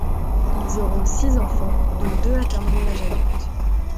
Ils auront six enfants, dont deux atteindront l’âge adulte.